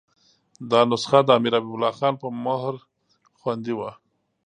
دا نسخه د امیر حبیب الله خان په مهر خوندي وه.